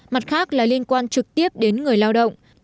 mặt khác là liên quan trực tiếp đến người lao động